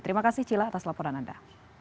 terima kasih cila atas laporan anda